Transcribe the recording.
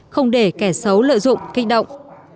không để kẻ xấu lợi dụng kích động